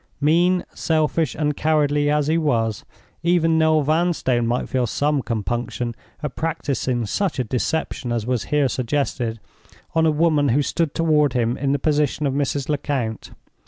Mean, selfish, and cowardly as he was, even Noel Vanstone might feel some compunction at practicing such a deception as was here suggested on a woman who stood toward him in the position of Mrs. Lecount.